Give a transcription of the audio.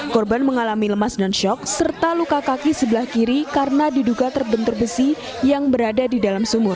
korban mengalami lemas dan shock serta luka kaki sebelah kiri karena diduga terbentur besi yang berada di dalam sumur